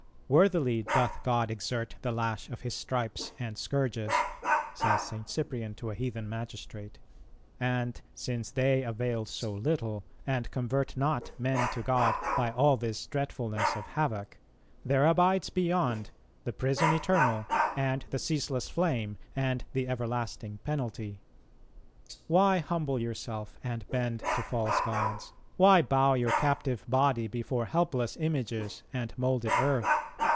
"Worthily doth God exert the lash of His stripes and scourges," says St. Cyprian to a heathen magistrate; "and since they avail so little, and convert not men to God by all this dreadfulness of havoc, there abides beyond the prison eternal and the ceaseless flame and the everlasting penalty. ... Why humble yourself and bend to false gods? Why bow your captive body before helpless images and moulded earth?